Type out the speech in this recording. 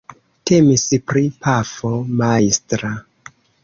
Temis pri pafo majstra.